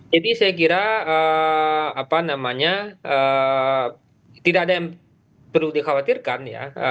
jadi saya kira apa namanya tidak ada yang perlu dikhawatirkan ya